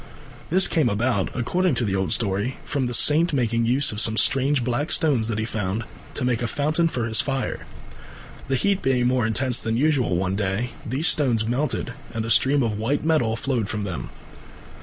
This came about, according to the old story, from the saint making use of some strange black stones that he found, to make a foundation for his fire. The heat being more intense than usual one day, these stones melted and a stream of white metal flowed from them.